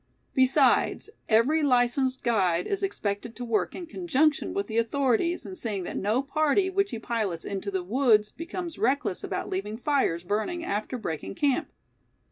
Besides, every licensed guide is expected to work in conjunction with the authorities in seeing that no party which he pilots into the woods becomes reckless about leaving fires burning after breaking camp.